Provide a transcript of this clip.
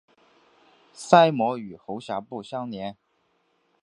鳃膜与喉峡部相连。